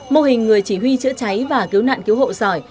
mô hình người chỉ huy chữa cháy và cứu nạn cứu hộ giỏi